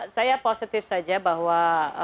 saya positif saja bahwa